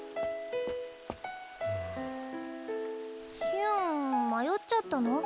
ヒュン迷っちゃったの？